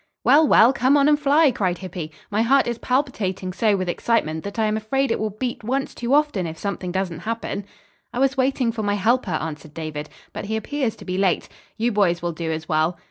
"Well, well, come on and fly," cried Hippy. "My heart is palpitating so with excitement that I am afraid it will beat once too often if something doesn't happen." "I was waiting for my helper," answered David, "but he appears to be late. You boys will do as well."